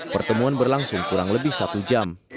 pertemuan berlangsung kurang lebih satu jam